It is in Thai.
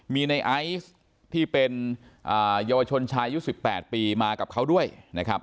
มีในไอซ์ที่เป็นเยาวชนชายอายุ๑๘ปีมากับเขาด้วยนะครับ